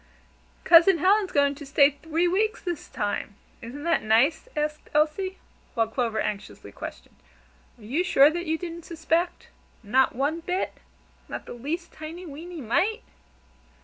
"Cousin Helen's going to stay three weeks this time isn't that nice?" asked Elsie, while Clover anxiously questioned: "Are you sure that you didn't suspect? Not one bit? Not the least tiny, weeny mite?"